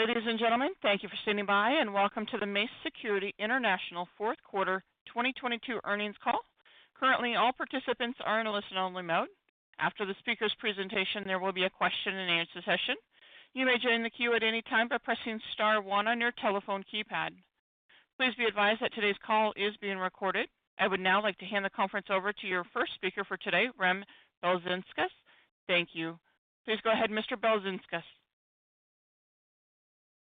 Ladies and gentlemen, thank you for standing by, welcome to the Mace Security International fourth quarter 2022 earnings call. Currently, all participants are in a listen only mode. After the speaker's presentation, there will be a question-and-answer session. You may join the queue at any time by pressing star one on your telephone keypad. Please be advised that today's call is being recorded. I would now like to hand the conference over to your first speaker for today, Rem Belzinskas. Thank you. Please go ahead, Mr. Belzinskas.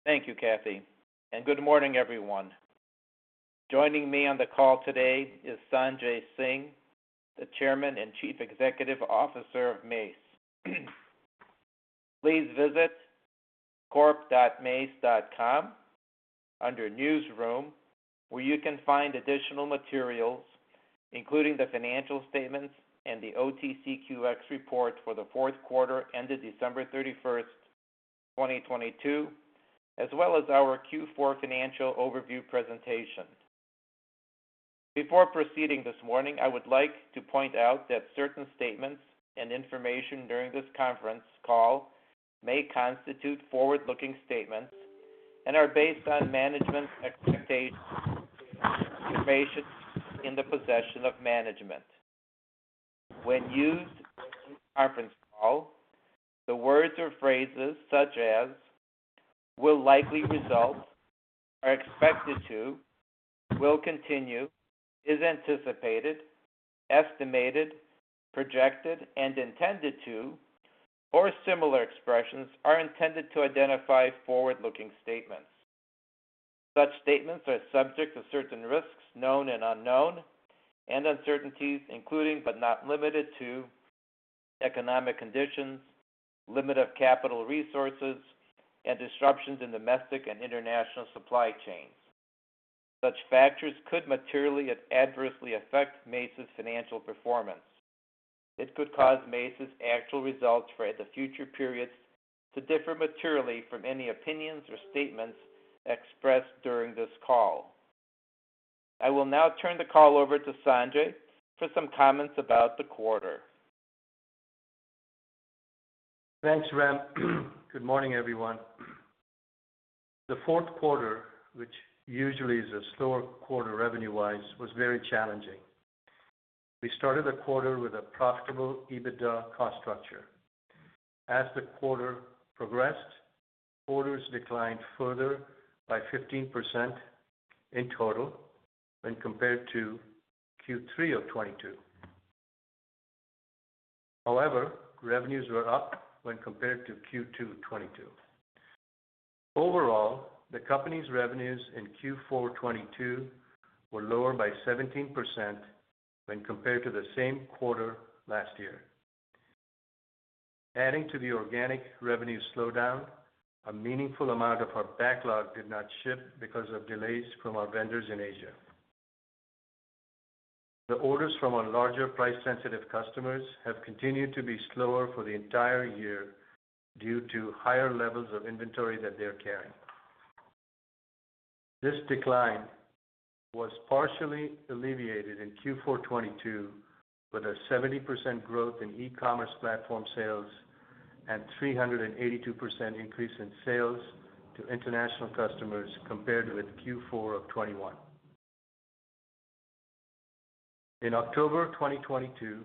Thank you, Kathy. Good morning, everyone. Joining me on the call today is Sanjay Singh, the Chairman and Chief Executive Officer of Mace. Please visit corp.mace.com under Newsroom, where you can find additional materials, including the financial statements and the OTCQX report for Q4 ended December 31st, 2022, as well as our Q4 financial overview presentation. Before proceeding this morning, I would like to point out that certain statements and information during this conference call may constitute forward-looking statements and are based on management expectations, information in the possession of management. When used in conference call, the words or phrases such as will likely result, are expected to, will continue, is anticipated, estimated, projected, and intended to, or similar expressions are intended to identify forward-looking statements. Such statements are subject to certain risks, known and unknown, and uncertainties, including but not limited to economic conditions, limit of capital resources, and disruptions in domestic and international supply chains. Such factors could materially and adversely affect Mace's financial performance. It could cause Mace's actual results for the future periods to differ materially from any opinions or statements expressed during this call. I will now turn the call over to Sanjay for some comments about the quarter. Thanks, Rem. Good morning, everyone. The fourth quarter, which usually is a slower quarter revenue-wise, was very challenging. We started the quarter with a profitable EBITDA cost structure. As the quarter progressed, orders declined further by 15% in total when compared to Q3 of 2022. Revenues were up when compared to Q2 2022. Overall, the company's revenues in Q4 2022 were lower by 17% when compared to the same quarter last year. Adding to the organic revenue slowdown, a meaningful amount of our backlog did not ship because of delays from our vendors in Asia. The orders from our larger price-sensitive customers have continued to be slower for the entire year due to higher levels of inventory that they are carrying. This decline was partially alleviated in Q4 2022 with a 70% growth in e-commerce platform sales and 382% increase in sales to international customers compared with Q4 2021. In October 2022,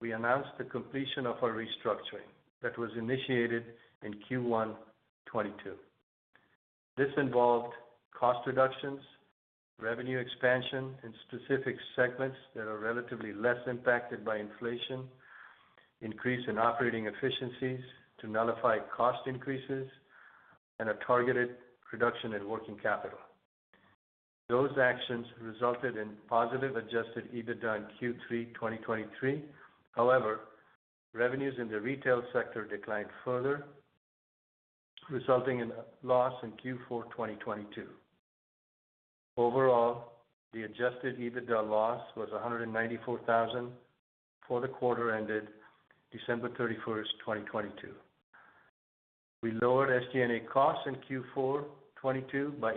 we announced the completion of our restructuring that was initiated in Q1 2022. This involved cost reductions, revenue expansion in specific segments that are relatively less impacted by inflation, increase in operating efficiencies to nullify cost increases, and a targeted reduction in working capital. Those actions resulted in positive adjusted EBITDA in Q3 2023. Revenues in the retail sector declined further, resulting in a loss in Q4 2022. Overall, the adjusted EBITDA loss was $194,000 for the quarter ended December 31st, 2022. We lowered SG&A costs in Q4 2022 by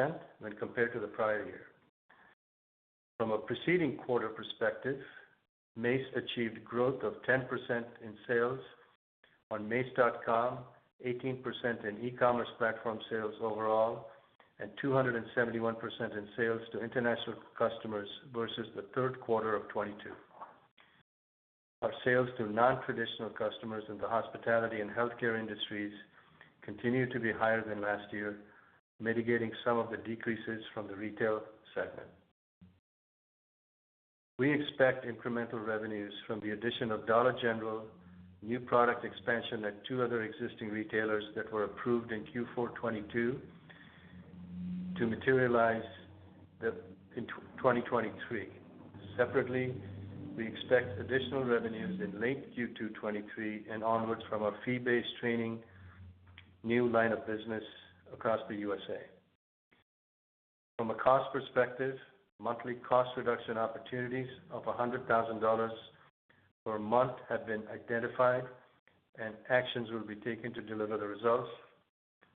8% when compared to the prior year. From a preceding quarter perspective, Mace achieved growth of 10% in sales on mace.com, 18% in e-commerce platform sales overall, and 271% in sales to international customers versus Q3 2022. Our sales to non-traditional customers in the hospitality and healthcare industries continue to be higher than last year, mitigating some of the decreases from the retail segment. We expect incremental revenues from the addition of Dollar General, new product expansion at 2 other existing retailers that were approved in Q4 2022 to materialize in 2023. Separately, we expect additional revenues in late Q2 2023 and onwards from our fee-based training new line of business across the USA. From a cost perspective, monthly cost reduction opportunities of $100,000 per month have been identified and actions will be taken to deliver the results.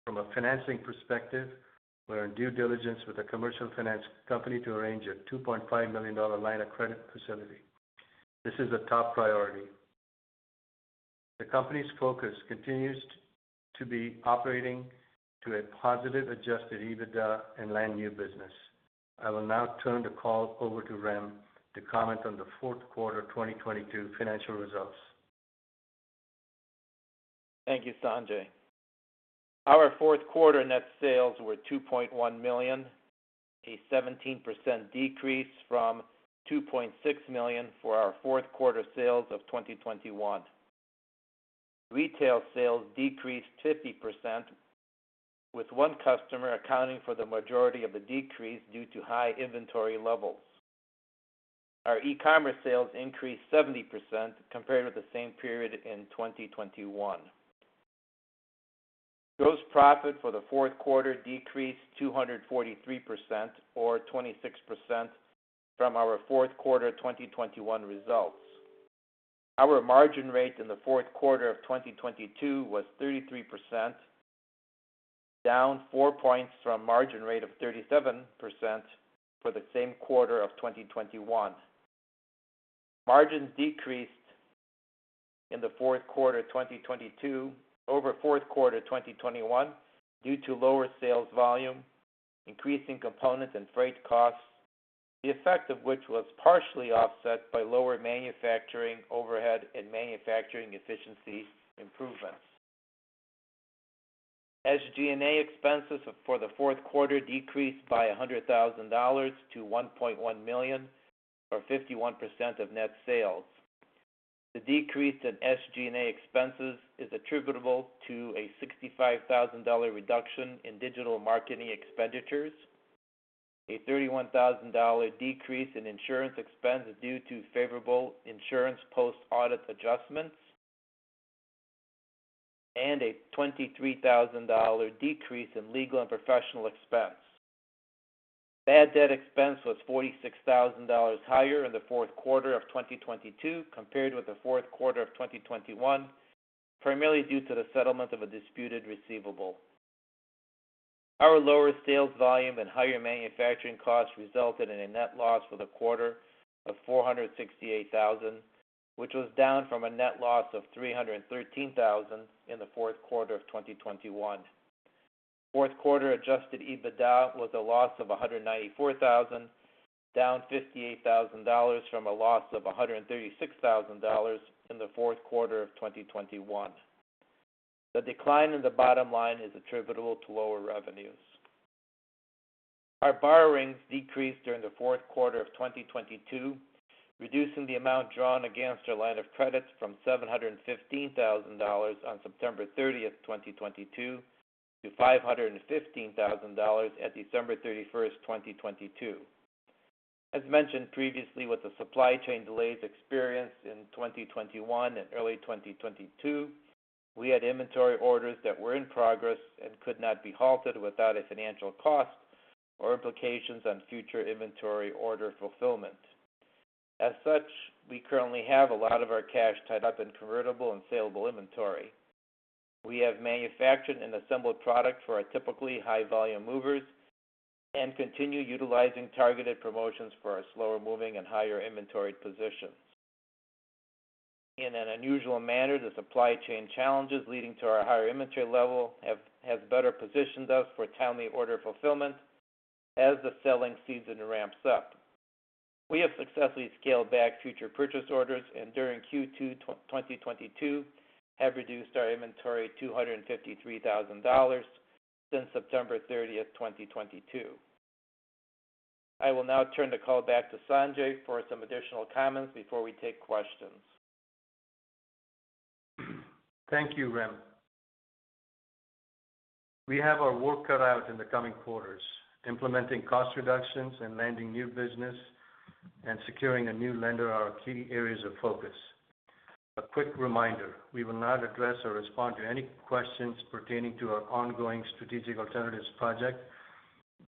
From a financing perspective, we're in due diligence with a commercial finance company to arrange a $2.5 million line of credit facility. This is a top priority. The company's focus continues to be operating to a positive adjusted EBITDA and land new business. I will now turn the call over to Rem to comment on the fourth quarter 2022 financial results. Thank you, Sanjay. Our fourth quarter net sales were $2.1 million, a 17% decrease from $2.6 million for our fourth quarter sales of 2021. Retail sales decreased 50%, with one customer accounting for the majority of the decrease due to high inventory levels. Our e-commerce sales increased 70% compared with the same period in 2021. Gross profit for the fourth quarter decreased 243% or 26% from our fourth quarter 2021 results. Our margin rate in the fourth quarter of 2022 was 33%, down four points from margin rate of 37% for the same quarter of 2021. Margins decreased in the fourth quarter 2022 over fourth quarter 2021 due to lower sales volume, increasing components and freight costs, the effect of which was partially offset by lower manufacturing overhead and manufacturing efficiency improvements. SG&A expenses for the fourth quarter decreased by $100,000 to $1.1 million, or 51% of net sales. The decrease in SG&A expenses is attributable to a $65,000 reduction in digital marketing expenditures, a $31,000 decrease in insurance expenses due to favorable insurance post-audit adjustments, and a $23,000 decrease in legal and professional expense. Bad debt expense was $46,000 higher in the fourth quarter of 2022 compared with the fourth quarter of 2021, primarily due to the settlement of a disputed receivable. Our lower sales volume and higher manufacturing costs resulted in a net loss for the quarter of $468,000, which was down from a net loss of $313,000 in the fourth quarter of 2021. Fourth quarter adjusted EBITDA was a loss of $194,000, down $58,000 from a loss of $136,000 in the fourth quarter of 2021. The decline in the bottom line is attributable to lower revenues. Our borrowings decreased during the fourth quarter of 2022, reducing the amount drawn against our line of credits from $715,000 on September 30th, 2022 to $515,000 at December 31st, 2022. As mentioned previously, with the supply chain delays experienced in 2021 and early 2022, we had inventory orders that were in progress and could not be halted without a financial cost or implications on future inventory order fulfillment. As such, we currently have a lot of our cash tied up in convertible and saleable inventory. We have manufactured and assembled product for our typically high volume movers and continue utilizing targeted promotions for our slower moving and higher inventoried positions. In an unusual manner, the supply chain challenges leading to our higher inventory level has better positioned us for timely order fulfillment as the selling season ramps up. We have successfully scaled back future purchase orders, and during Q2 2022 have reduced our inventory $253,000 since September 30th, 2022. I will now turn the call back to Sanjay for some additional comments before we take questions. Thank you, Rem. We have our work cut out in the coming quarters. Implementing cost reductions and landing new business and securing a new lender are our key areas of focus. A quick reminder, we will not address or respond to any questions pertaining to our ongoing strategic alternatives project.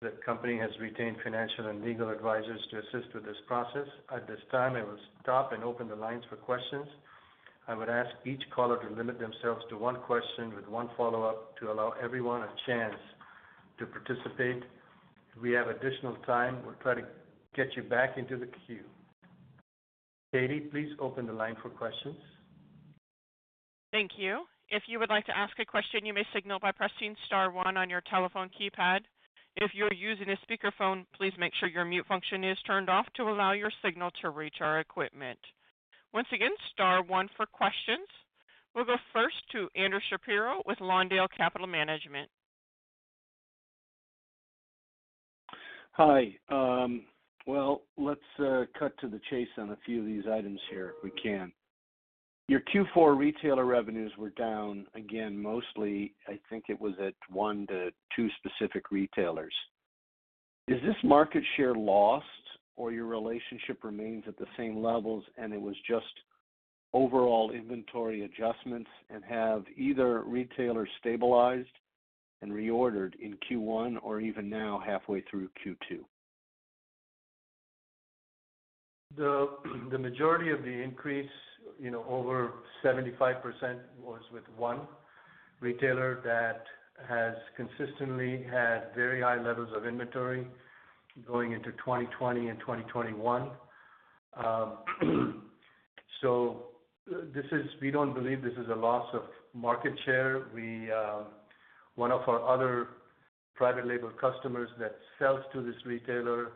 The company has retained financial and legal advisors to assist with this process. At this time, I will stop and open the lines for questions. I would ask each caller to limit themselves to one question with one follow-up to allow everyone a chance to participate. If we have additional time, we'll try to get you back into the queue. Katie, please open the line for questions. Thank you. If you would like to ask a question, you may signal by pressing star one on your telephone keypad. If you're using a speakerphone, please make sure your mute function is turned off to allow your signal to reach our equipment. Once again, star one for questions. We'll go first to Andrew Shapiro with Lawndale Capital Management. Hi. Well, let's cut to the chase on a few of these items here if we can. Your Q4 retailer revenues were down again, mostly I think it was at 1-2 specific retailers. Is this market share lost or your relationship remains at the same levels and it was just overall inventory adjustments, and have either retailer stabilized and reordered in Q1 or even now halfway through Q2? The majority of the increase, you know, over 75% was with one retailer that has consistently had very high levels of inventory going into 2020 and 2021. This is we don't believe this is a loss of market share. We one of our other private label customers that sells to this retailer,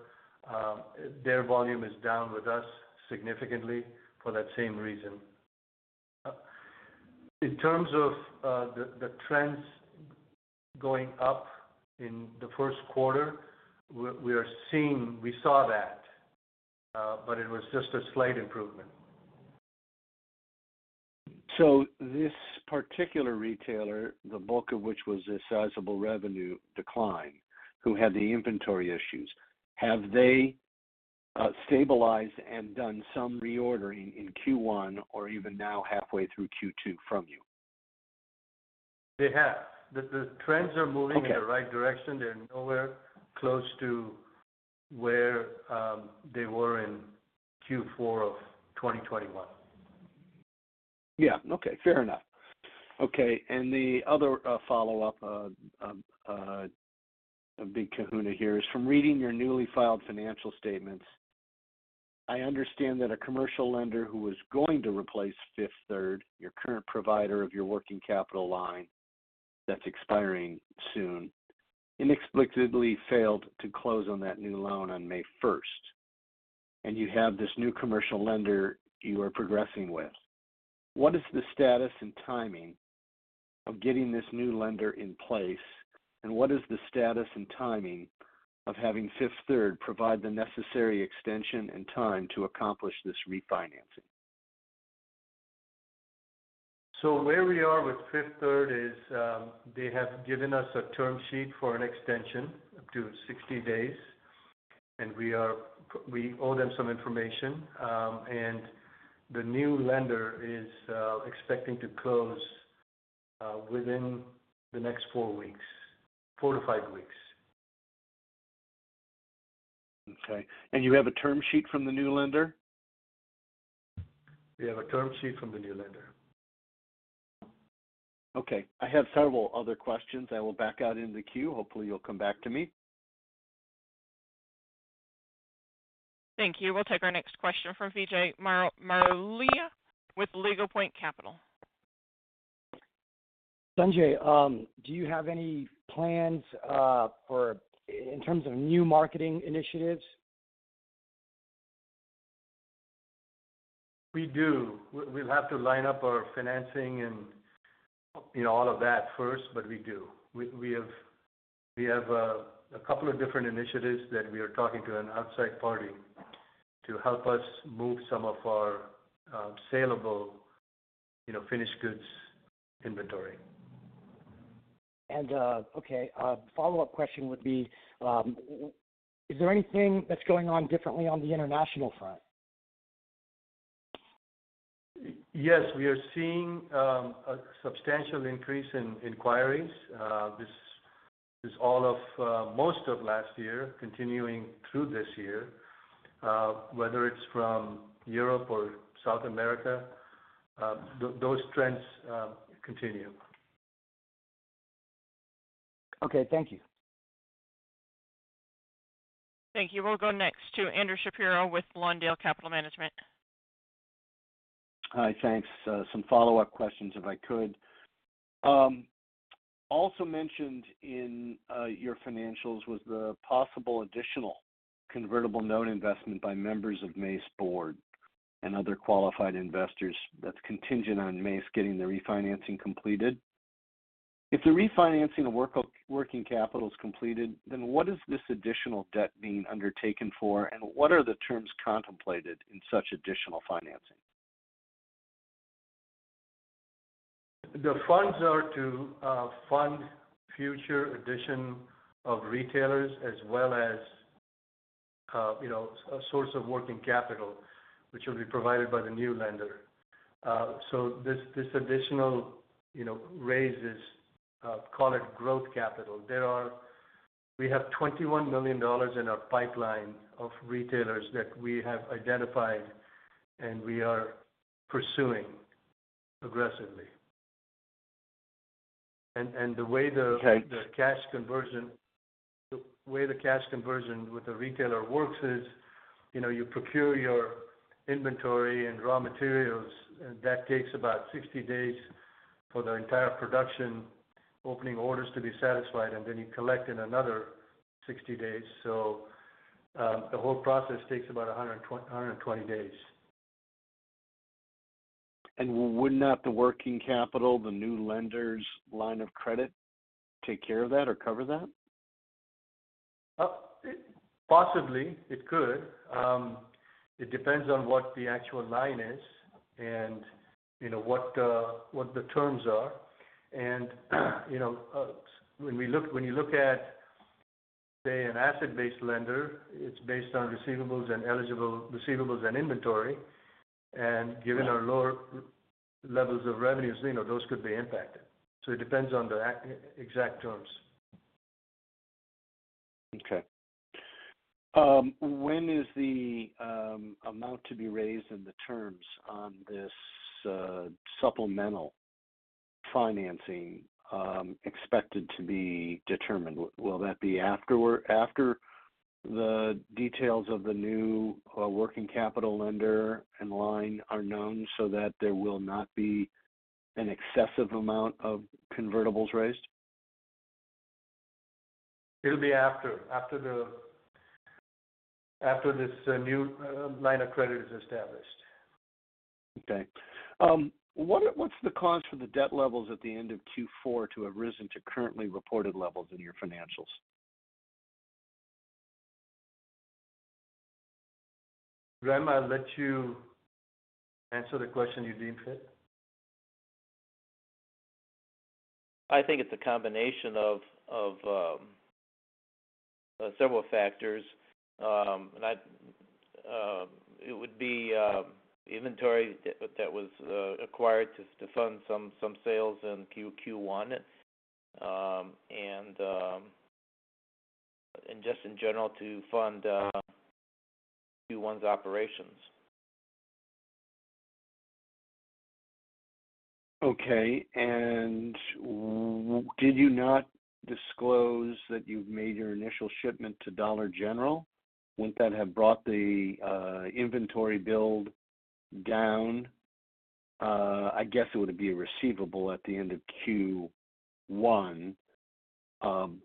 their volume is down with us significantly for that same reason. In terms of the trends going up in the 1st quarter, we saw that, but it was just a slight improvement. This particular retailer, the bulk of which was a sizable revenue decline, who had the inventory issues, have they stabilized and done some reordering in Q1 or even now halfway through Q2 from you? They have. The trends are moving- Okay. in the right direction. They're nowhere close to where they were in Q4 of 2021. Yeah. Okay. Fair enough. Okay. The other follow-up big kahuna here is from reading your newly filed financial statements, I understand that a commercial lender who was going to replace Fifth Third, your current provider of your working capital line that's expiring soon, inexplicably failed to close on that new loan on May first, and you have this new commercial lender you are progressing with. What is the status and timing of getting this new lender in place? What is the status and timing of having Fifth Third provide the necessary extension and time to accomplish this refinancing? Where we are with Fifth Third is, they have given us a term sheet for an extension up to 60 days, and we owe them some information. The new lender is, expecting to close, within the next 4 weeks. 4-5 weeks. Okay. You have a term sheet from the new lender? We have a term sheet from the new lender. Okay. I have several other questions. I will back out in the queue. Hopefully, you'll come back to me. Thank you. We'll take our next question from Vijay Marolia with Regal Point Capital. Sanjay, do you have any plans in terms of new marketing initiatives? We do. We'll have to line up our financing and, you know, all of that first. We do. We have a couple of different initiatives that we are talking to an outside party to help us move some of our saleable, you know, finished goods inventory. Okay, a follow-up question would be, is there anything that's going on differently on the international front? Yes, we are seeing a substantial increase in inquiries. This is all of most of last year continuing through this year. Whether it's from Europe or South America, those trends continue. Okay. Thank you. Thank you. We'll go next to Andrew Shapiro with Lawndale Capital Management. Hi. Thanks. some follow-up questions, if I could. also mentioned in, your financials was the possible additional convertible note investment by members of Mace board and other qualified investors that's contingent on Mace getting the refinancing completed. If the refinancing of working capital is completed, what is this additional debt being undertaken for, and what are the terms contemplated in such additional financing? The funds are to fund future addition of retailers as well as, you know, a source of working capital, which will be provided by the new lender. This additional, you know, raise is call it growth capital. We have $21 million in our pipeline of retailers that we have identified and we are pursuing aggressively. The way Okay. The cash conversion, the way the cash conversion with the retailer works is, you know, you procure your inventory and raw materials, and that takes about 60 days for the entire production, opening orders to be satisfied, and then you collect in another 60 days. The whole process takes about 120 days. Would not the working capital, the new lender's line of credit take care of that or cover that? Possibly it could. It depends on what the actual line is and, you know, what the terms are. You know, when you look at, say, an asset-based lender, it's based on receivables and eligible receivables and inventory. Given our lower levels of revenues, you know, those could be impacted. It depends on the exact terms. Okay. When is the amount to be raised and the terms on this supplemental financing expected to be determined? Will that be after the details of the new working capital lender and line are known so that there will not be an excessive amount of convertibles raised? It'll be after. After this, new line of credit is established. Okay. What's the cause for the debt levels at the end of Q4 to have risen to currently reported levels in your financials? Graham, I'll let you answer the question you deem fit. I think it's a combination of several factors. It would be inventory that was acquired to fund some sales in Q1. Just in general to fund Q1's operations. Okay. Did you not disclose that you've made your initial shipment to Dollar General? Wouldn't that have brought the inventory build down? I guess it would be a receivable at the end of Q1.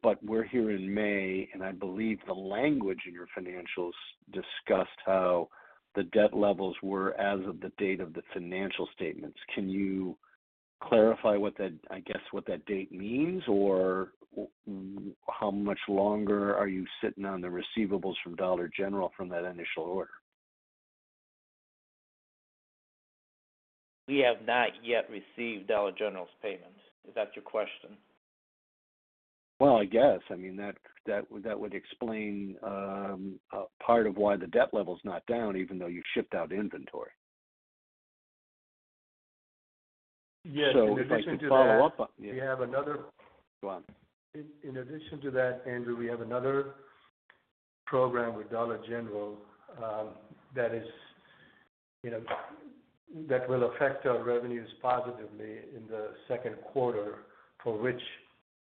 But we're here in May, and I believe the language in your financials discussed how the debt levels were as of the date of the financial statements. Can you clarify what that, I guess, what that date means? Or how much longer are you sitting on the receivables from Dollar General from that initial order? We have not yet received Dollar General's payment. Is that your question? Well, I guess. I mean, that would explain part of why the debt level's not down even though you shipped out inventory. Yes. In addition to that. if I could follow up. We have another- Go on. In addition to that, Andrew, we have another program with Dollar General, that is, you know, that will affect our revenues positively in the second quarter, for which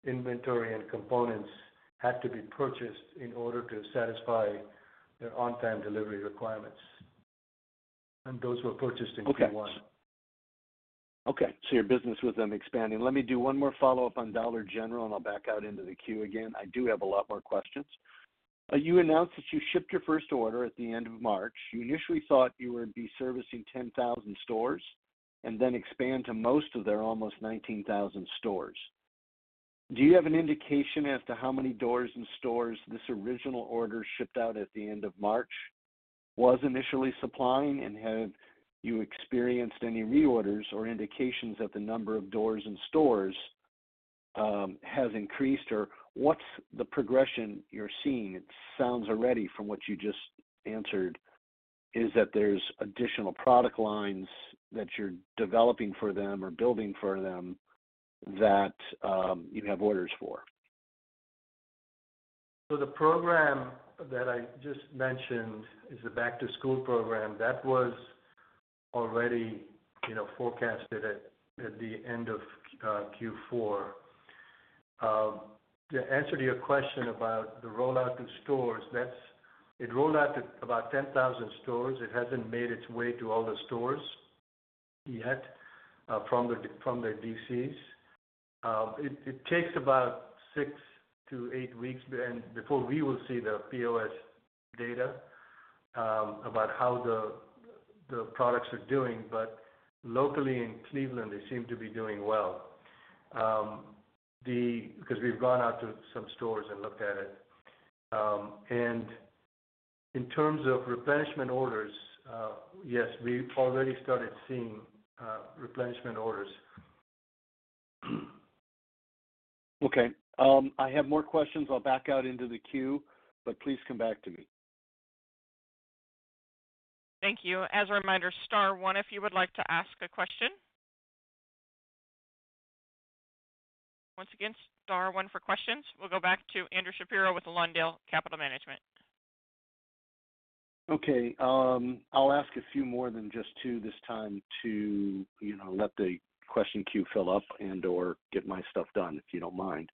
inventory and components had to be purchased in order to satisfy their on-time delivery requirements. Those were purchased in Q1. Okay. Okay. Your business with them expanding. Let me do one more follow-up on Dollar General, and I'll back out into the queue again. I do have a lot more questions. You announced that you shipped your first order at the end of March. You initially thought you would be servicing 10,000 stores and then expand to most of their almost 19,000 stores. Do you have an indication as to how many doors and stores this original order shipped out at the end of March was initially supplying? Have you experienced any reorders or indications that the number of doors and stores has increased? What's the progression you're seeing? It sounds already from what you just answered, is that there's additional product lines that you're developing for them or building for them that you have orders for. The program that I just mentioned is a back-to-school program that was already, you know, forecasted at the end of Q4. The answer to your question about the rollout to stores, It rolled out to about 10,000 stores. It hasn't made its way to all the stores yet, from the DCs. It takes about six to eight weeks then before we will see the POS data about how the products are doing. Locally in Cleveland, they seem to be doing well because we've gone out to some stores and looked at it. In terms of replenishment orders, yes, we've already started seeing replenishment orders. Okay. I have more questions. I'll back out into the queue, but please come back to me. Thank you. As a reminder, star 1 if you would like to ask a question. Once again, star 1 for questions. We'll go back to Andrew Shapiro with the Lawndale Capital Management. Okay, I'll ask a few more than just two this time to, you know, let the question queue fill up and/or get my stuff done, if you don't mind.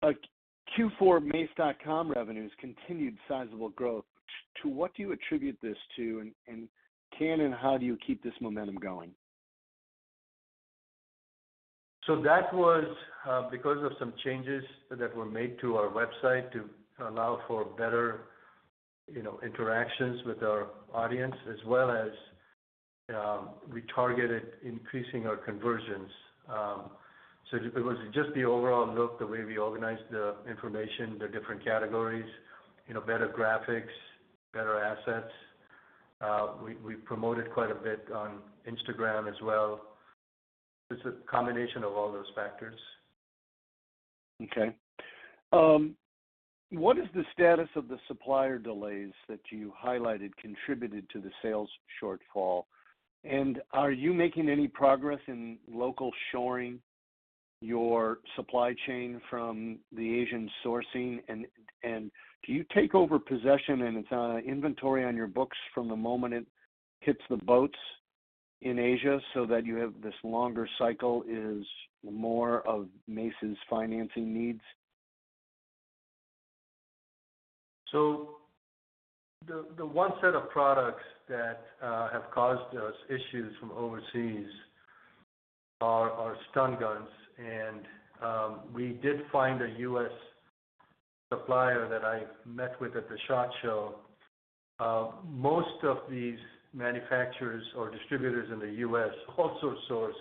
Q4 mace.com revenues continued sizable growth. To what do you attribute this to? Can and how do you keep this momentum going? That was because of some changes that were made to our website to allow for better, you know, interactions with our audience, as well as, we targeted increasing our conversions. It was just the overall look, the way we organized the information, the different categories, you know, better graphics, better assets. We promoted quite a bit on Instagram as well. It's a combination of all those factors. What is the status of the supplier delays that you highlighted contributed to the sales shortfall? Are you making any progress in local shoring your supply chain from the Asian sourcing? Do you take over possession and its inventory on your books from the moment it hits the boats in Asia so that you have this longer cycle is more of Mace's financing needs? The one set of products that have caused us issues from overseas are stun guns. We did find a US supplier that I met with at the SHOT Show. Most of these manufacturers or distributors in the US also source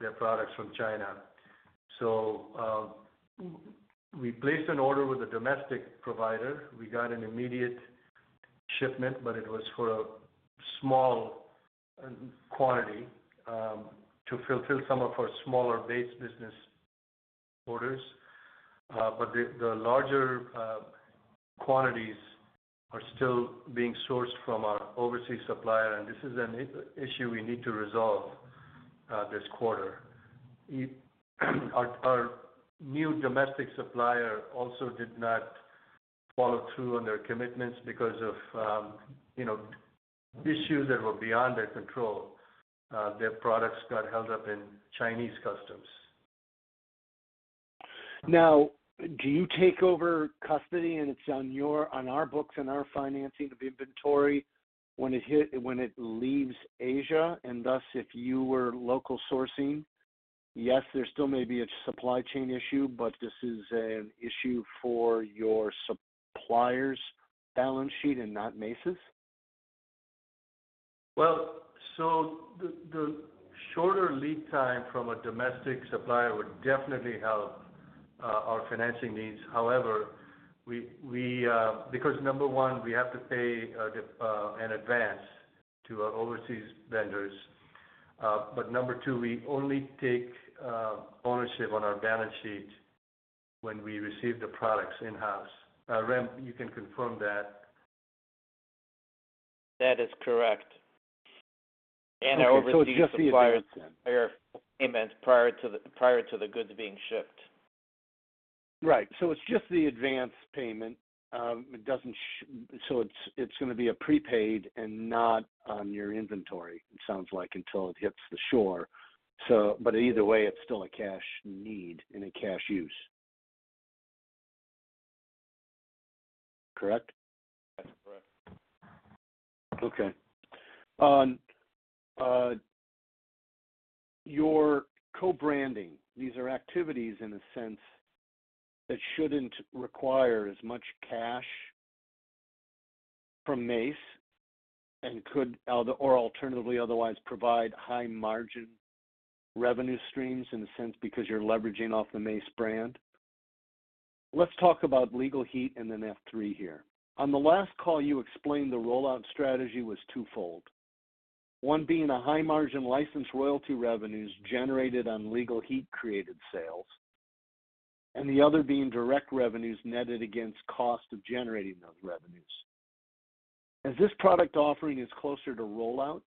their products from China. We placed an order with a domestic provider. We got an immediate shipment, but it was for a small quantity to fulfill some of our smaller base business orders. The larger quantities are still being sourced from our overseas supplier, and this is an issue we need to resolve this quarter. Our new domestic supplier also did not follow through on their commitments because of, you know, issues that were beyond their control. Their products got held up in Chinese customs. Do you take over custody and it's on our books and our financing of the inventory when it leaves Asia, and thus if you were local sourcing? There still may be a supply chain issue, but this is an issue for your supplier's balance sheet and not Mace's. The shorter lead time from a domestic supplier would definitely help, our financing needs. However, we, because number one, we have to pay, the, an advance to our overseas vendors. Number two, we only take, ownership on our balance sheet when we receive the products in-house. Rem, you can confirm that. That is correct. Okay. It's just the advance then. Our overseas suppliers require payments prior to the goods being shipped. Right. It's just the advanced payment. It's, it's gonna be a prepaid and not on your inventory, it sounds like, until it hits the shore. Either way, it's still a cash need and a cash use. Correct? That's correct. Okay. On your co-branding, these are activities in a sense that shouldn't require as much cash from Mace and could or alternatively otherwise provide high margin revenue streams in a sense because you're leveraging off the Mace brand. Let's talk about Legal Heat and then F3 here. On the last call, you explained the rollout strategy was twofold. One being a high margin license royalty revenues generated on Legal Heat-created sales, and the other being direct revenues netted against cost of generating those revenues. As this product offering is closer to rollout,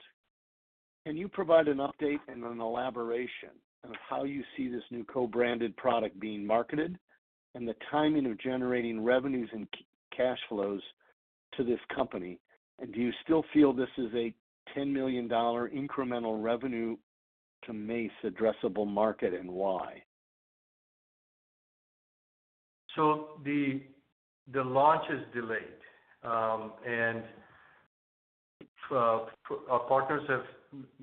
can you provide an update and an elaboration on how you see this new co-branded product being marketed and the timing of generating revenues and cash flows to this company? Do you still feel this is a $10 million incremental revenue to Mace addressable market, and why? The launch is delayed. Our partners have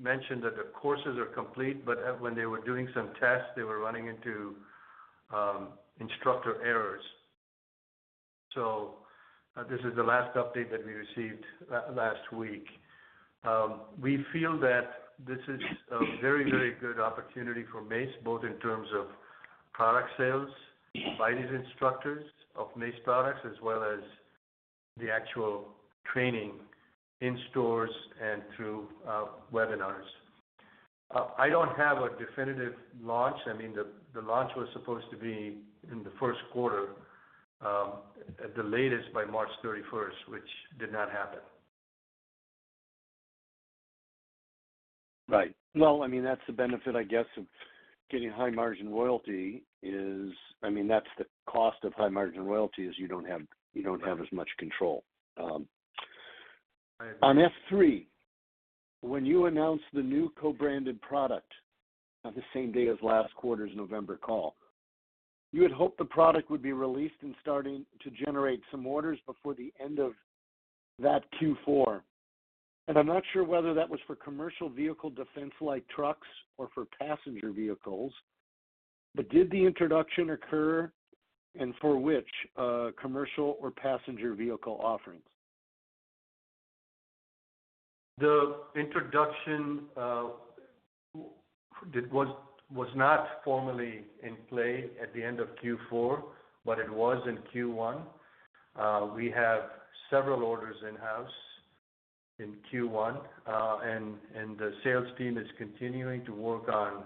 mentioned that the courses are complete, but when they were doing some tests, they were running into instructor errors. This is the last update that we received last week. We feel that this is a very, very good opportunity for Mace, both in terms of product sales by these instructors of Mace products, as well as the actual training in stores and through webinars. I don't have a definitive launch. I mean, the launch was supposed to be in the 1st quarter, at the latest by March 31st, which did not happen. Right. Well, I mean, that's the benefit, I guess, of getting high margin royalty. I mean, that's the cost of high margin royalty is you don't have as much control. On F3, when you announced the new co-branded product on the same day as last quarter's November call, you had hoped the product would be released and starting to generate some orders before the end of that Q4. I'm not sure whether that was for commercial vehicle defense like trucks or for passenger vehicles, but did the introduction occur and for which commercial or passenger vehicle offerings? The introduction was not formally in play at the end of Q4, but it was in Q1. We have several orders in-house in Q1, and the sales team is continuing to work on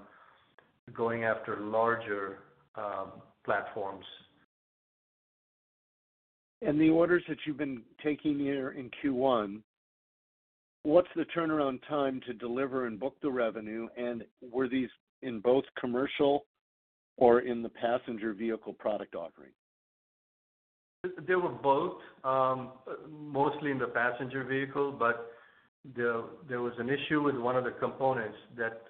going after larger platforms. The orders that you've been taking here in Q1, what's the turnaround time to deliver and book the revenue? Were these in both commercial or in the passenger vehicle product offering? They were both mostly in the passenger vehicle, but there was an issue with one of the components that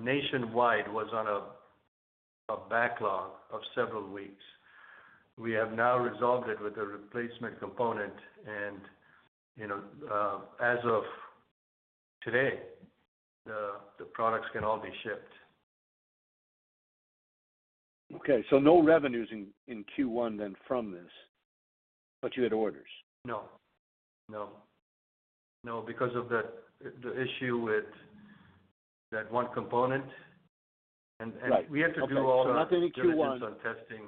nationwide was on a backlog of several weeks. We have now resolved it with a replacement component and, you know, as of today, the products can all be shipped. Okay. no revenues in Q1 then from this, but you had orders. No. No. No, because of the issue with that one component. Right. We had to do all. nothing in Q1. Due diligence on testing.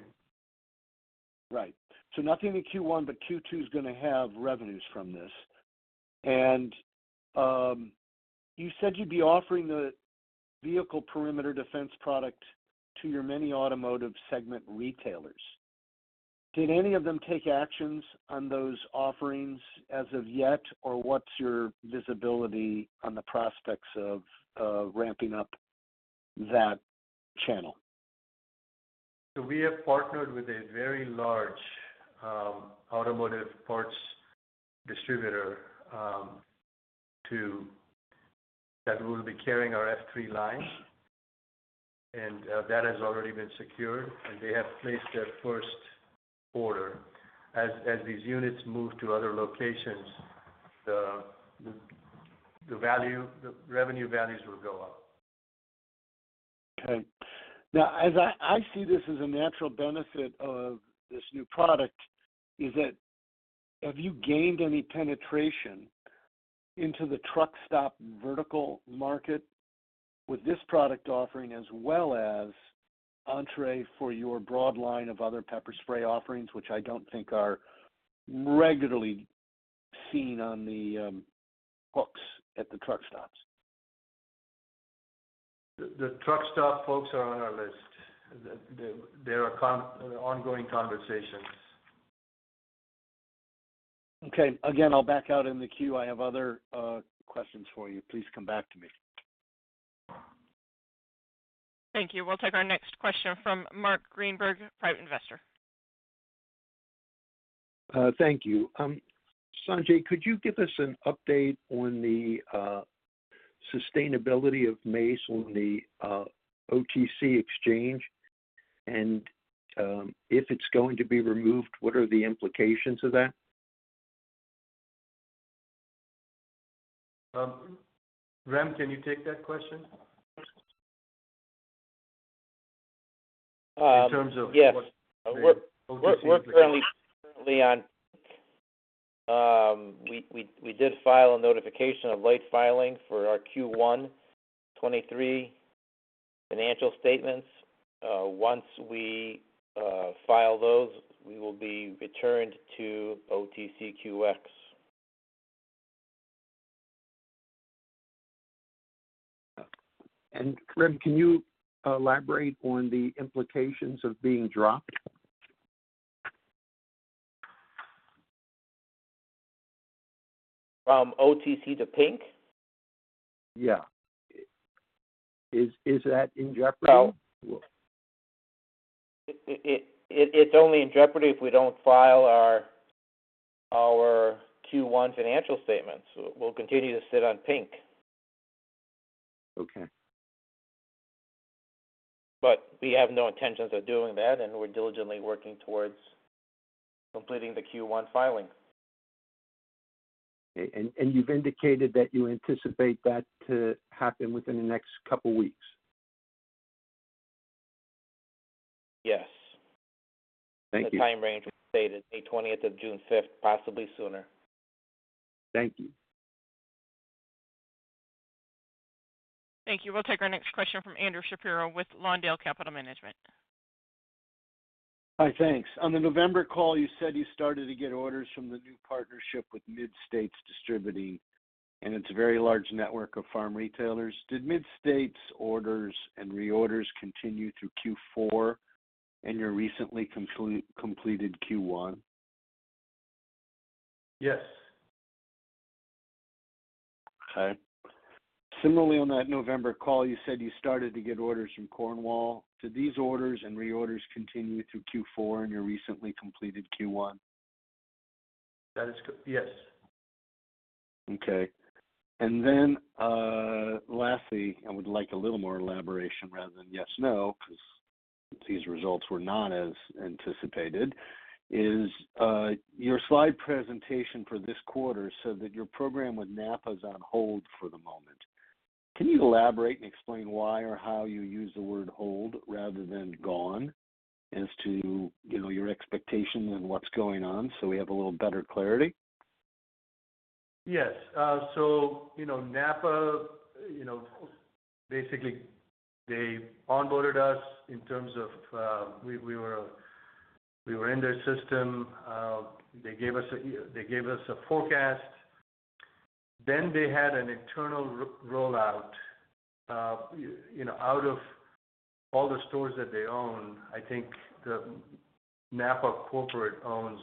Right. Nothing in Q1, but Q2 is going to have revenues from this. You said you would be offering the vehicle perimeter defense product to your many automotive segment retailers. Did any of them take actions on those offerings as of yet? What's your visibility on the prospects of ramping up that channel? We have partnered with a very large, automotive parts distributor, that will be carrying our F3 line, and that has already been secured, and they have placed their first order. As these units move to other locations, the value, the revenue values will go up. Okay. Now, as I see this as a natural benefit of this new product, is that have you gained any penetration into the truck stop vertical market with this product offering as well as entree for your broad line of other pepper spray offerings, which I don't think are regularly seen on the hooks at the truck stops? The truck stop folks are on our list. They are ongoing conversations. Okay. Again, I'll back out in the queue. I have other questions for you. Please come back to me. Thank you. We'll take our next question from Mark Greenberg, Private Investor. Thank you. Sanjay, could you give us an update on the sustainability of Mace on the OTC exchange? If it's going to be removed, what are the implications of that? Rem, can you take that question? Um- In terms of. Yes. OTC implications. We did file a notification of late filing for our Q1 23 financial statements. Once we file those, we will be returned to OTCQX. Rem, can you elaborate on the implications of being dropped? From OTC to Pink? Yeah. Is that in jeopardy? Well, it's only in jeopardy if we don't file our Q1 financial statements. We'll continue to sit on Pink. Okay. We have no intentions of doing that, and we're diligently working towards completing the Q1 filing. Okay. You've indicated that you anticipate that to happen within the next couple weeks? Yes. Thank you. The time range was stated May 20th to June 5th, possibly sooner. Thank you. Thank you. We'll take our next question from Andrew Shapiro with Lawndale Capital Management. Hi. Thanks. On the November call, you said you started to get orders from the new partnership with Mid-States Distributing and its very large network of farm retailers. Did Midstates orders and reorders continue through Q4 and your recently completed Q1? Yes. Okay. Similarly, on that November call, you said you started to get orders from Cornwell. Did these orders and reorders continue through Q4 and your recently completed Q1? That is. Yes. Okay. Lastly, I would like a little more elaboration rather than yes, no, because these results were not as anticipated, is, your slide presentation for this quarter said that your program with NAPA is on hold for the moment. Can you elaborate and explain why or how you use the word hold rather than gone as to, you know, your expectations and what's going on so we have a little better clarity? Yes. you know, NAPA, you know, basically, they onboarded us in terms of, We were in their system. They gave us a forecast. They had an internal rollout. you know, out of all the stores that they own, I think the NAPA corporate owns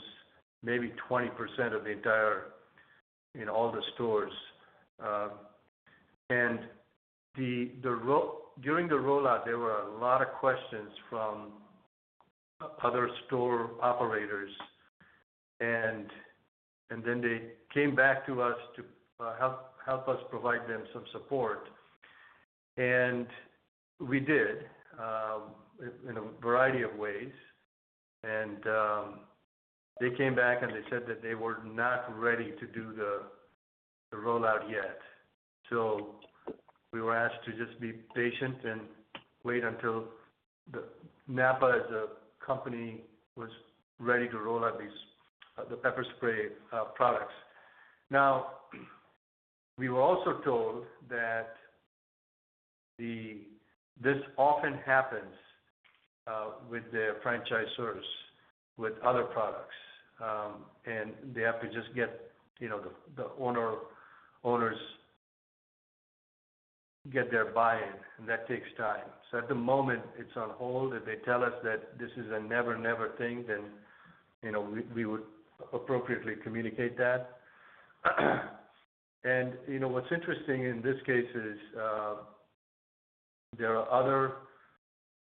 maybe 20% of the entire... In all the stores. During the rollout, there were a lot of questions from other store operators. They came back to us to help us provide them some support. We did in a variety of ways. They came back, and they said that they were not ready to do the rollout yet. We were asked to just be patient and wait until the NAPA, as a company, was ready to roll out these the pepper spray products. We were also told that this often happens with their franchisors, with other products, and they have to just get, you know, owners get their buy-in, and that takes time. At the moment, it's on hold. If they tell us that this is a never-never thing then, you know, we would appropriately communicate that. You know, what's interesting in this case is there are other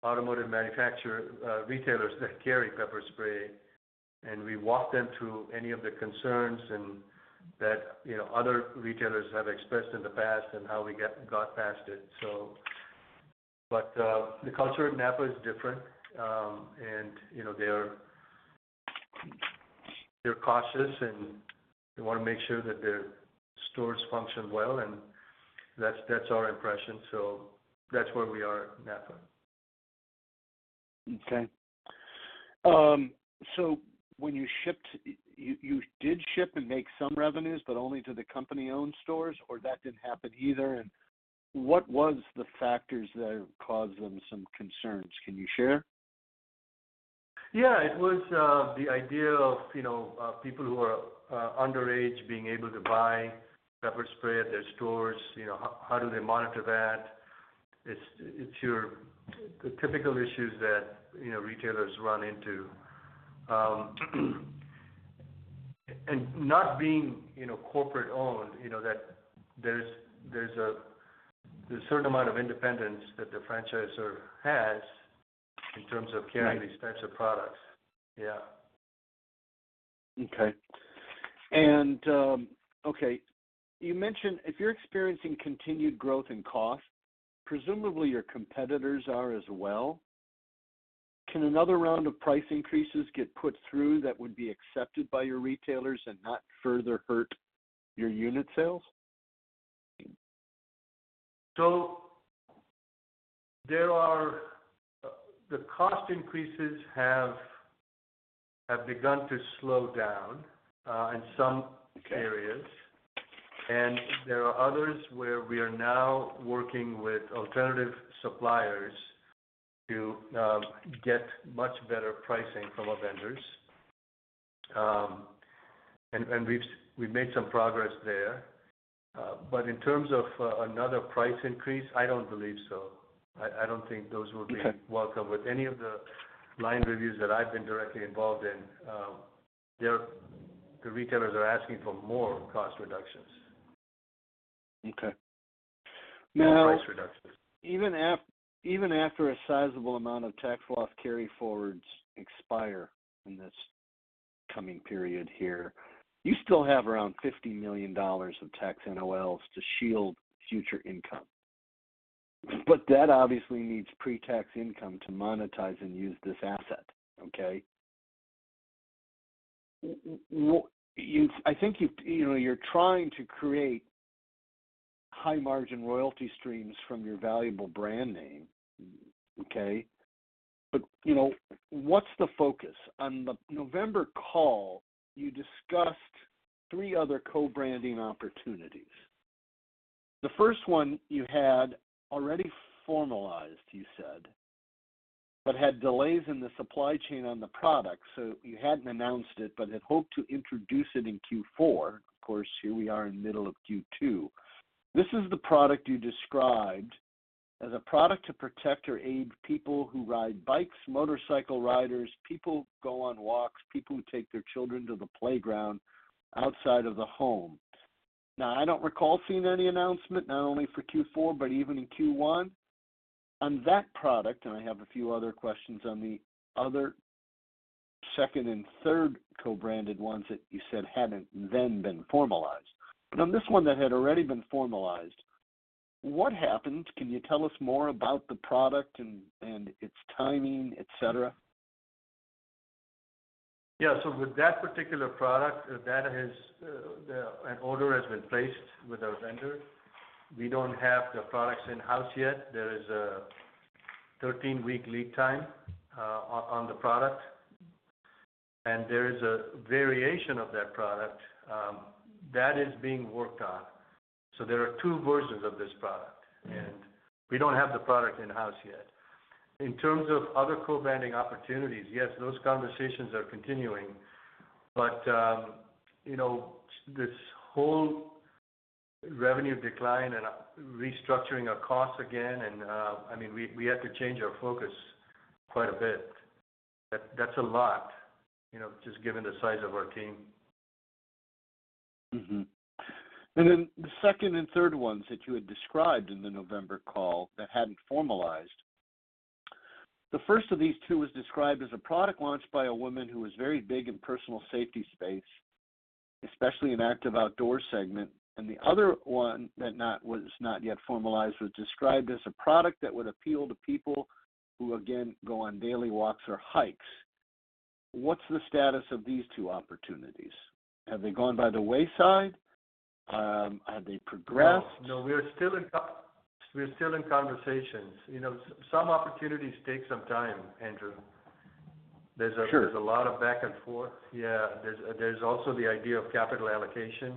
automotive manufacturer retailers that carry pepper spray, and we walk them through any of the concerns and that, you know, other retailers have expressed in the past and how we got past it, so. The culture at NAPA is different. You know, They're cautious, and they wanna make sure that their stores function well, that's our impression. That's where we are at NAPA. When you shipped, you did ship and make some revenues, but only to the company-owned stores, or that didn't happen either? What was the factors that caused them some concerns? Can you share? Yeah. It was, the idea of, you know, people who are, underage being able to buy pepper spray at their stores. You know, how do they monitor that? It's your... The typical issues that, you know, retailers run into. Not being, you know, corporate-owned, you know, that there's a certain amount of independence that the franchisor has in terms of carrying- Right. these types of products. Yeah. Okay. Okay, you mentioned if you're experiencing continued growth in cost, presumably your competitors are as well. Can another round of price increases get put through that would be accepted by your retailers and not further hurt your unit sales? The cost increases have begun to slow down in some areas. Okay. There are others where we are now working with alternative suppliers to get much better pricing from our vendors. We've made some progress there. In terms of another price increase, I don't believe so. I don't think those would be. Okay. Welcome. With any of the line reviews that I've been directly involved in, the retailers are asking for more cost reductions. Okay. More price reductions. Even after a sizable amount of tax loss carry forwards expire in this coming period here, you still have around $50 million of tax NOLs to shield future income. That obviously needs pre-tax income to monetize and use this asset, okay? Well, you've... I think you've... You know, you're trying to create high margin royalty streams from your valuable brand name, okay? You know, what's the focus? On the November call, you discussed three other co-branding opportunities. The first one you had already formalized, you said, but had delays in the supply chain on the product. You hadn't announced it but had hoped to introduce it in Q4. Of course, here we are in middle of Q2. This is the product you described as a product to protect or aid people who ride bikes, motorcycle riders, people who go on walks, people who take their children to the playground outside of the home. I don't recall seeing any announcement, not only for Q4, but even in Q1 on that product, and I have a few other questions on the other second and third co-branded ones that you said hadn't then been formalized. On this one that had already been formalized, what happened? Can you tell us more about the product and its timing, et cetera? Yeah. With that particular product, An order has been placed with our vendor. We don't have the products in-house yet. There is a 13-week lead time on the product. There is a variation of that product that is being worked on. There are two versions of this product, and we don't have the product in-house yet. In terms of other co-branding opportunities, yes, those conversations are continuing. You know, this whole revenue decline and restructuring our costs again and I mean, we had to change our focus quite a bit. That's a lot, you know, just given the size of our team. Mm-hmm. Then the second and third ones that you had described in the November call that hadn't formalized. The first of these two was described as a product launched by a woman who was very big in personal safety space, especially in active outdoor segment. The other one that was not yet formalized, was described as a product that would appeal to people who again, go on daily walks or hikes. What's the status of these two opportunities? Have they gone by the wayside? Have they progressed? No, no, we're still in conversations. You know, some opportunities take some time, Andrew. Sure. There's a lot of back and forth. Yeah, there's also the idea of capital allocation.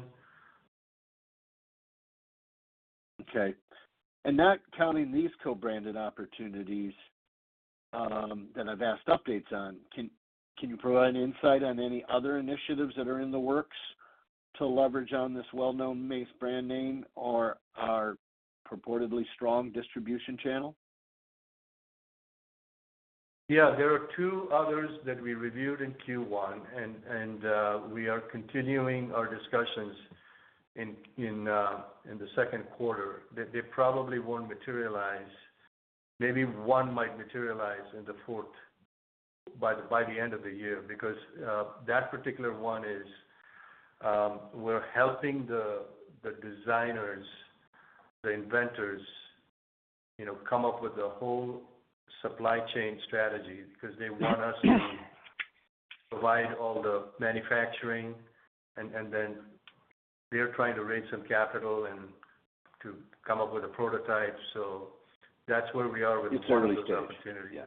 Okay. Not counting these co-branded opportunities, that I've asked updates on, can you provide insight on any other initiatives that are in the works to leverage on this well-known Mace brand name or our purportedly strong distribution channel? Yeah. There are two others that we reviewed in Q1, and we are continuing our discussions in the second quarter. They probably won't materialize. Maybe one might materialize in the fourth by the end of the year, because that particular one is, we're helping the designers, the inventors, you know, come up with a whole supply chain strategy because they want us to provide all the manufacturing, and then they're trying to raise some capital and to come up with a prototype. That's where we are with one of those opportunities.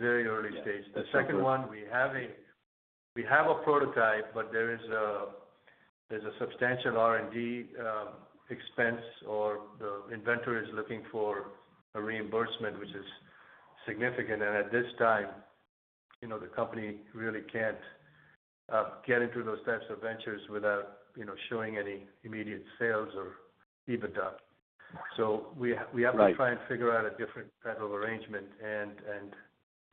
It's early stage. Yeah. Very early stage. Yeah. That's what- The second one, we have a prototype, but there's a substantial R&D expense or the inventor is looking for a reimbursement which is significant. At this time, you know, the company really can't get into those types of ventures without, you know, showing any immediate sales or EBITDA. We have- Right... to try and figure out a different type of arrangement, and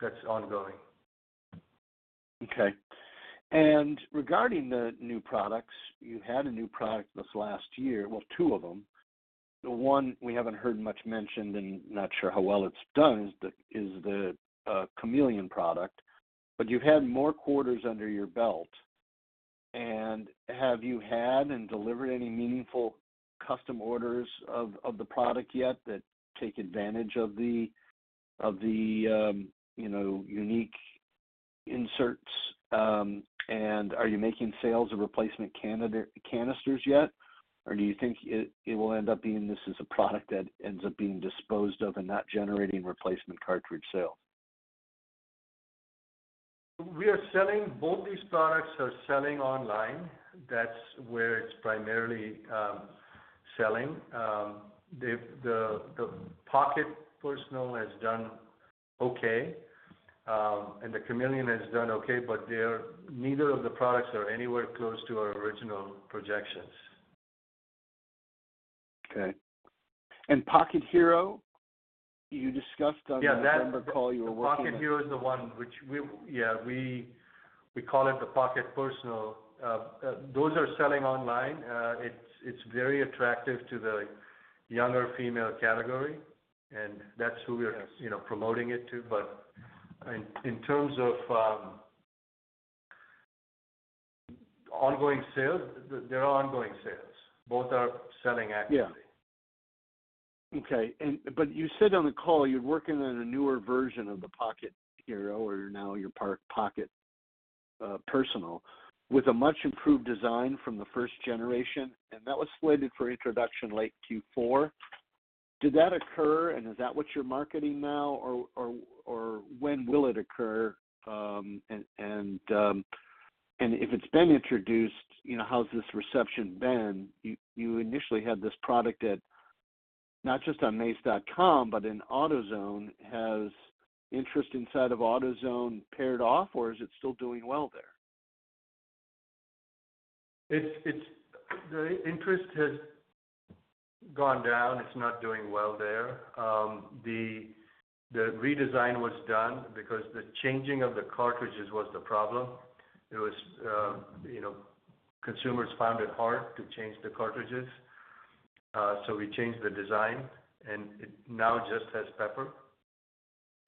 that's ongoing. Okay. Regarding the new products, you had a new product this last year, well, two of them. The one we haven't heard much mentioned and not sure how well it's done is the Chameleon product. You've had more quarters under your belt. Have you had and delivered any meaningful custom orders of the product yet that take advantage of the, of the, you know, unique inserts? Are you making sales of replacement canisters yet? Or do you think it will end up being this is a product that ends up being disposed of and not generating replacement cartridge sales? We are selling... Both these products are selling online. That's where it's primarily selling. The Pocket Personal has done okay. The Chameleon has done okay, but neither of the products are anywhere close to our original projections. Okay. Pocket Hero, you discussed. Yeah. The November call you were working with. The Pocket Hero is the one. Yeah, we call it the Pocket Personal. Those are selling online. It's very attractive to the younger female category, and that's who we're- Yes... you know, promoting it to. In terms of ongoing sales, there are ongoing sales. Both are selling actively. Yeah. Okay. But you said on the call you're working on a newer version of the Pocket Hero, or now your Pocket Personal, with a much improved design from the first generation, and that was slated for introduction late Q4. Did that occur, and is that what you're marketing now? When will it occur? And if it's been introduced, you know, how's this reception been? You initially had this product at not just on mace.com, but in AutoZone. Has interest inside of AutoZone paired off, or is it still doing well there? It's the interest has gone down. It's not doing well there. The redesign was done because the changing of the cartridges was the problem. It was, you know, consumers found it hard to change the cartridges. We changed the design, and it now just has pepper.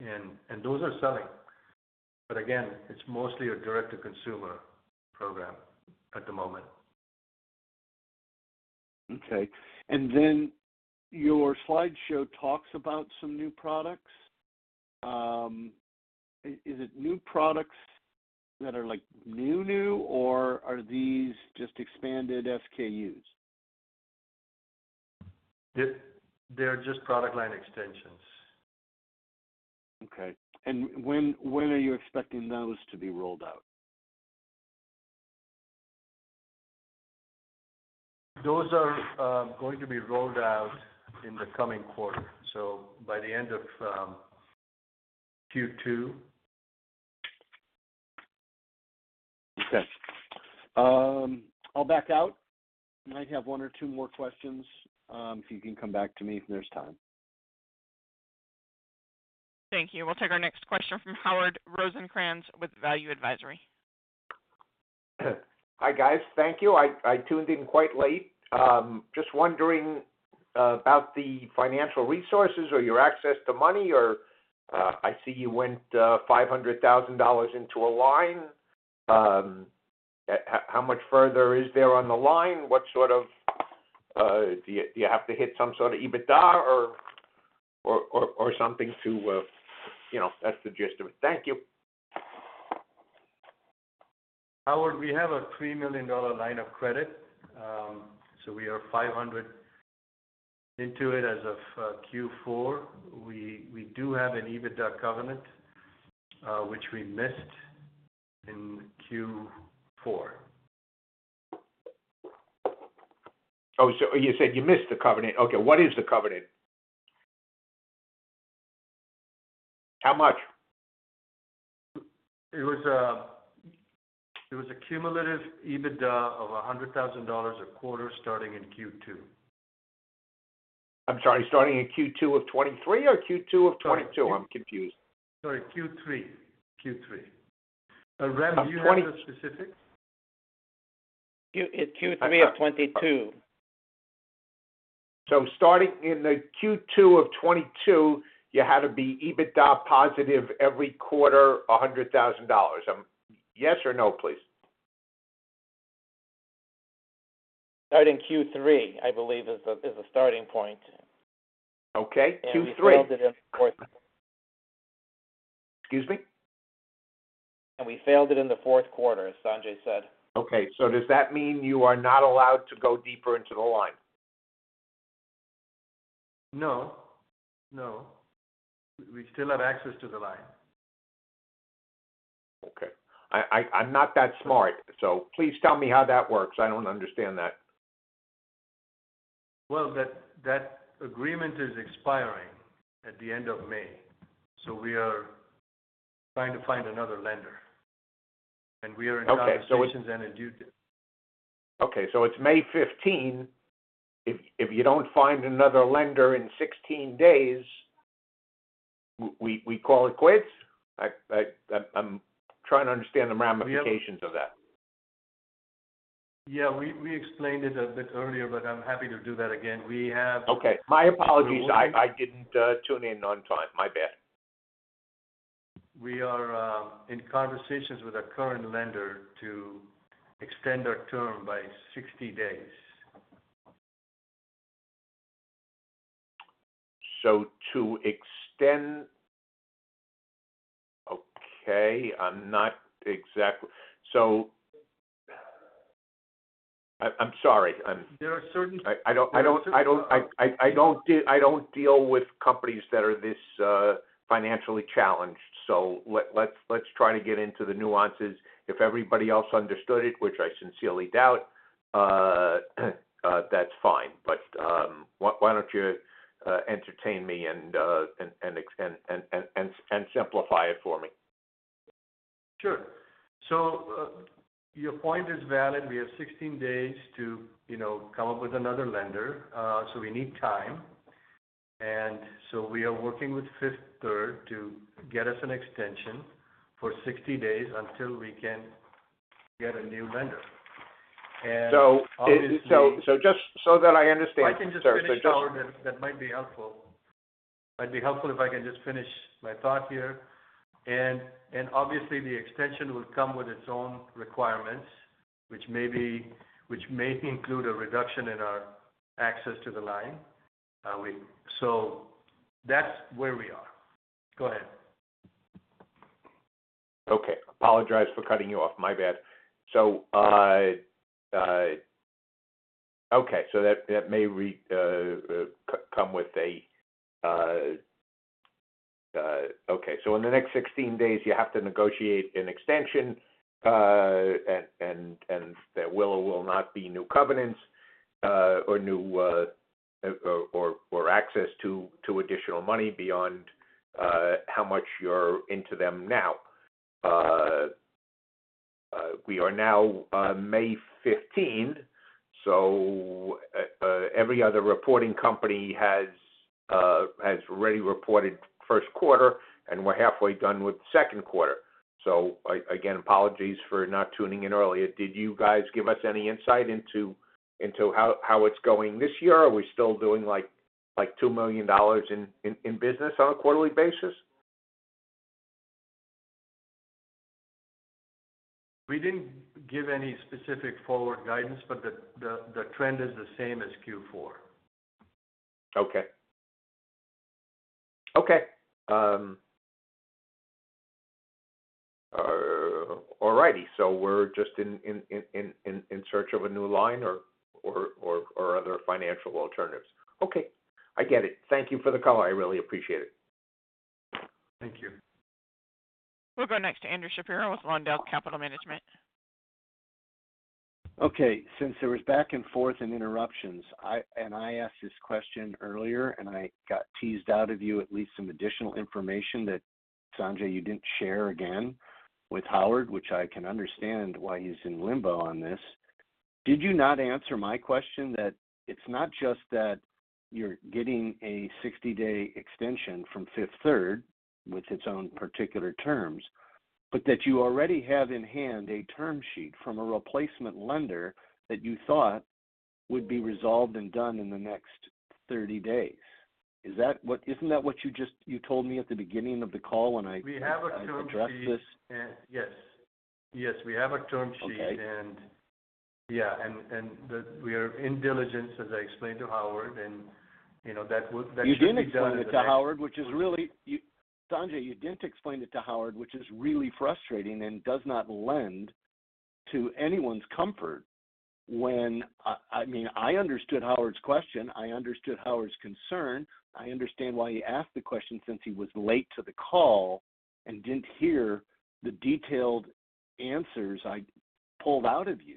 Those are selling. Again, it's mostly a direct-to-consumer program at the moment. Okay. Your slideshow talks about some new products. Is it new products that are like new, or are these just expanded SKUs? They are just product line extensions. Okay. When are you expecting those to be rolled out? Those are, going to be rolled out in the coming quarter, so by the end of Q2. Okay. I'll back out. I might have one or two more questions, if you can come back to me if there's time. Thank you. We'll take our next question from Howard Rosenkranz with Value Advisory. Hi, guys. Thank you. I tuned in quite late. Just wondering about the financial resources or your access to money or, I see you went $500,000 into a line. How much further is there on the line? What sort of, do you, do you have to hit some sort of EBITDA or something to, you know? That's the gist of it. Thank you. Howard, we have a $3 million line of credit. We are $500 into it as of Q4. We do have an EBITDA covenant, which we missed in Q4. Oh, so you said you missed the covenant. Okay, what is the covenant? How much? It was a cumulative EBITDA of $100,000 a quarter starting in Q2. I'm sorry, starting in Q2 of 2023 or Q2 of 2022? I'm confused. Sorry, Q3. Q3. Rem, do you have the specifics? Of '20- Q, it's Q3 of 2022. Starting in the Q2 of 2022, you had to be EBITDA positive every quarter $100,000. Yes or no, please. Starting Q3, I believe is the starting point. Okay, Q3. we failed it in the. Excuse me? We failed it in the fourth quarter, as Sanjay said. Okay. Does that mean you are not allowed to go deeper into the line? No, no. We still have access to the line. Okay. I'm not that smart, so please tell me how that works. I don't understand that. That agreement is expiring at the end of May, so we are trying to find another lender, and we are in conversations and a due. Okay, it's May 15. If you don't find another lender in 16 days, we call it quits? I'm trying to understand the ramifications of that. Yeah. We explained it a bit earlier. I'm happy to do that again. Okay. My apologies. I didn't tune in on time. My bad. We are in conversations with our current lender to extend our term by 60 days. To extend... Okay, I'm not exactly... I'm sorry. There are certain- I don't deal with companies that are this financially challenged. Let's try to get into the nuances. If everybody else understood it, which I sincerely doubt, that's fine. Why don't you entertain me and simplify it for me? Sure. Your point is valid. We have 16 days to, you know, come up with another lender, so we need time. We are working with Fifth Third to get us an extension for 60 days until we can get a new lender. so just so that I understand, sir. If I can just finish, Howard, that might be helpful. Might be helpful if I can just finish my thought here. Obviously the extension will come with its own requirements, which may include a reduction in our access to the line. That's where we are. Go ahead. Apologize for cutting you off. My bad. In the next 16 days you have to negotiate an extension, and there will or will not be new covenants, or new, or access to additional money beyond how much you're into them now. We are now May 15th, every other reporting company has already reported first quarter, and we're halfway done with second quarter. Again, apologies for not tuning in earlier. Did you guys give us any insight into how it's going this year? Are we still doing like $2 million in business on a quarterly basis? We didn't give any specific forward guidance, but the trend is the same as Q4. Okay. Okay. alrighty. we're just in search of a new line or other financial alternatives. Okay, I get it. Thank you for the call, I really appreciate it. Thank you. We'll go next to Andrew Shapiro with Lawndale Capital Management. Okay, since there was back and forth and interruptions, I... and I asked this question earlier, and I got teased out of you at least some additional information that, Sanjay, you didn't share again with Howard, which I can understand why he's in limbo on this. Did you not answer my question that it's not just that you're getting a 60-day extension from Fifth Third with its own particular terms, but that you already have in hand a term sheet from a replacement lender that you thought would be resolved and done in the next 30 days? Isn't that what you told me at the beginning of the call? We have a term sheet. I addressed this. Yes. Yes, we have a term sheet. Okay. Yeah. We are in diligence, as I explained to Howard, and, you know, that should be done in the next- You didn't explain it to Howard, which is really Sanjay, you didn't explain it to Howard, which is really frustrating and does not lend to anyone's comfort when. I mean, I understood Howard's question. I understood Howard's concern. I understand why he asked the question since he was late to the call and didn't hear the detailed answers I pulled out of you.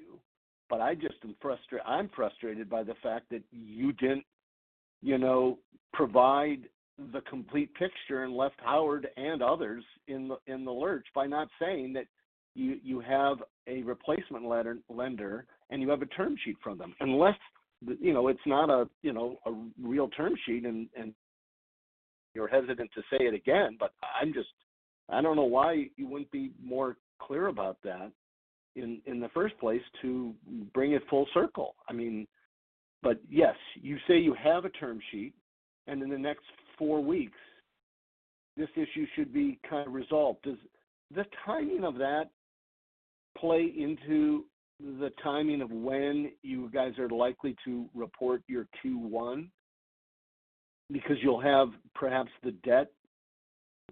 I'm frustrated by the fact that you didn't, you know, provide the complete picture and left Howard and others in the, in the lurch by not saying that you have a replacement lender, and you have a term sheet from them. Unless, you know, it's not a, you know, a real term sheet and you're hesitant to say it again, but I'm just. I don't know why you wouldn't be more clear about that in the first place to bring it full circle. I mean. Yes, you say you have a term sheet, and in the next four weeks, this issue should be kind of resolved. Does the timing of that play into the timing of when you guys are likely to report your Q one? Because you'll have perhaps the debt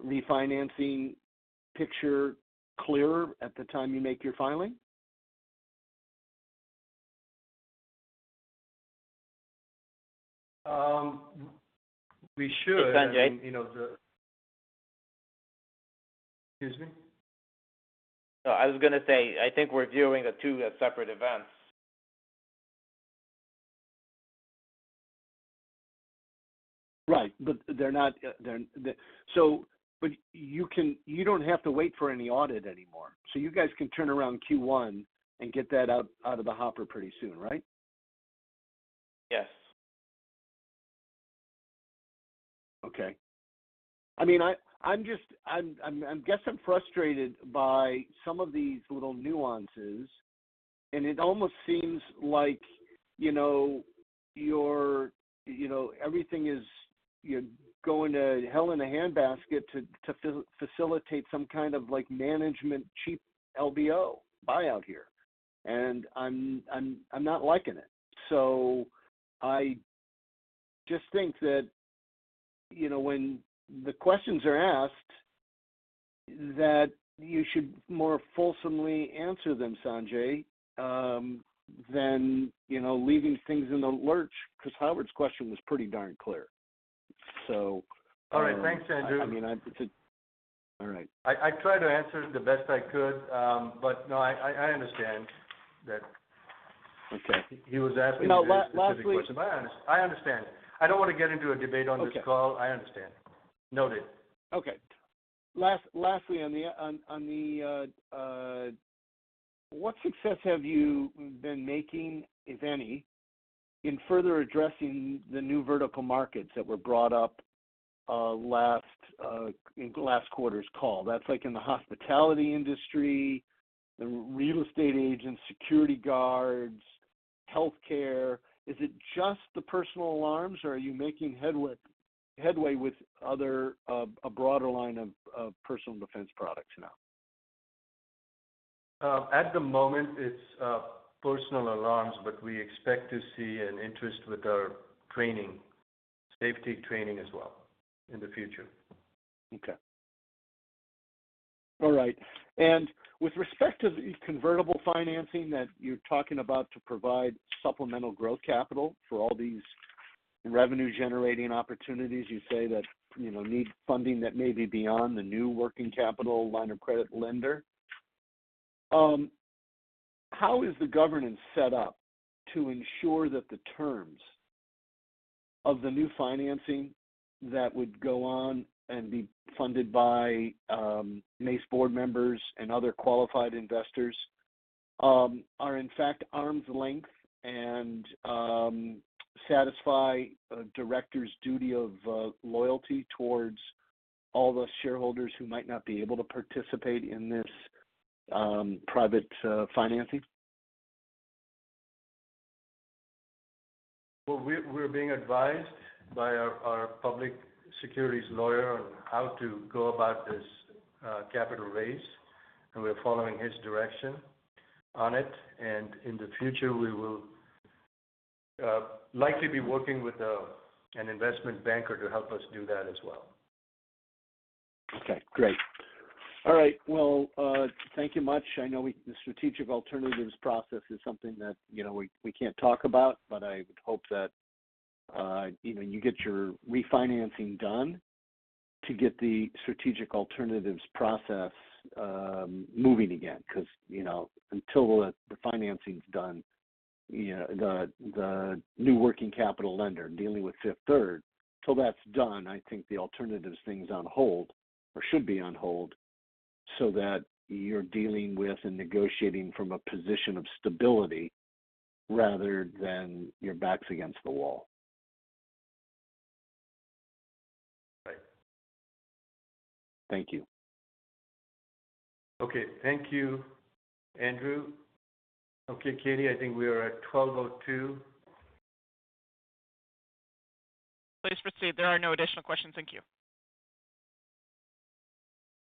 refinancing picture clearer at the time you make your filing? We should. Hey, Sanjay. You know, the... Excuse me? No, I was gonna say, I think we're viewing the two as separate events. Right. They're not. You don't have to wait for any audit anymore. You guys can turn around Q1 and get that out of the hopper pretty soon, right? Yes. Okay. I mean, I'm just... I'm guess I'm frustrated by some of these little nuances. It almost seems like, you know, you're, you know, everything is, you're going to hell in a hand basket to facilitate some kind of like management cheap LBO buyout here. I'm not liking it. I just think that, you know, when the questions are asked that you should more fulsomely answer them, Sanjay, than, you know, leaving things in the lurch, because Howard's question was pretty darn clear. All right. Thanks, Andrew. I mean, I'm. It's a. All right. I tried to answer it the best I could, but no, I understand. Okay he was asking a very specific question. Now lastly. I understand. I don't wanna get into a debate on this call. Okay. I understand. Noted. Lastly, on the what success have you been making, if any, in further addressing the new vertical markets that were brought up last in last quarter's call? That's like in the hospitality industry, the real estate agents, security guards, healthcare. Is it just the personal alarms or are you making headway with other, a broader line of personal defense products now? At the moment it's personal alarms. We expect to see an interest with our training, safety training as well in the future. Okay. All right. With respect to the convertible financing that you're talking about to provide supplemental growth capital for all these revenue-generating opportunities, you say that, you know, need funding that may be beyond the new working capital line of credit lender. How is the governance set up to ensure that the terms of the new financing that would go on and be funded by Mace board members and other qualified investors, are in fact arm's length and satisfy a director's duty of loyalty towards all the shareholders who might not be able to participate in this private financing? Well, we're being advised by our public securities lawyer on how to go about this, capital raise, and we're following his direction on it. In the future, we will likely be working with an investment banker to help us do that as well. Okay, great. All right. Well, thank you much. I know the strategic alternatives process is something that, you know, we can't talk about, but I would hope that, you know, you get your refinancing done to get the strategic alternatives process, moving again. You know, until the financing's done, you know, the new working capital lender dealing with Fifth Third, till that's done, I think the alternatives thing's on hold or should be on hold so that you're dealing with and negotiating from a position of stability rather than your back's against the wall. Right. Thank you. Okay. Thank you, Andrew. Okay, Katie, I think we are at 12:02. Please proceed. There are no additional questions. Thank you.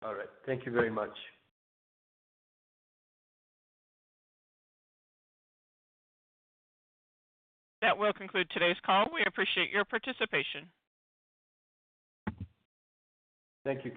All right. Thank you very much. That will conclude today's call. We appreciate your participation. Thank you.